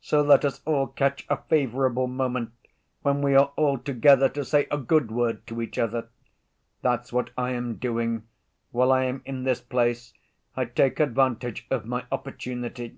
So let us all catch a favorable moment when we are all together to say a good word to each other. That's what I am doing: while I am in this place I take advantage of my opportunity.